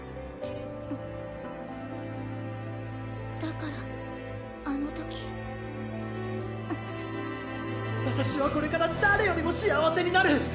うんだからあの時クッわたしはこれから誰よりも幸せになる！